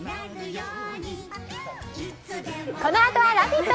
このあとは「ラヴィット！」